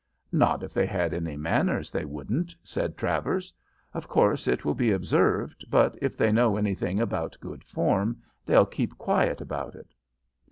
"'Not if they had any manners they wouldn't,' said Travers. 'Of course, it will be observed, but if they know anything about good form they'll keep quiet about it.'